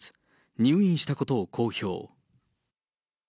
入院したことを公表。